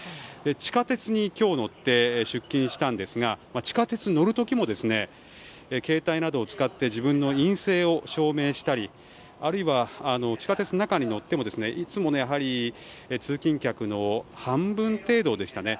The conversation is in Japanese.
地下鉄に今日乗って出勤したんですが地下鉄に乗る時も携帯などを使って自分の陰性を証明したりあるいは地下鉄の中に乗ってもいつもの通勤客の半分程度でしたね。